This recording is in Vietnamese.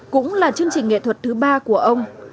cũng là chương trình nghệ thuật thứ ba của ông